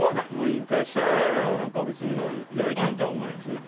引退したら何か別にやりたいとは思わないですね。